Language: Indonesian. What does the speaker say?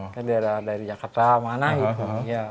kayaknya daerah jakarta mana gitu